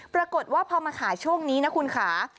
ปรากฏว่าพอมาขายช่วงนี้นะคุณค่ะ